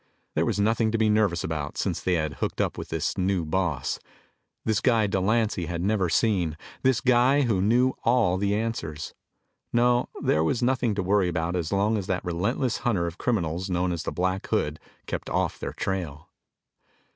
There was nothing to be nervous about since they had hooked up with this new boss this guy Delancy had never seen; this guy who knew all the answers. No, there was nothing to worry about as long as that relentless hunter of criminals known as the Black Hood kept off their tail.